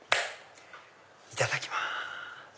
いただきます。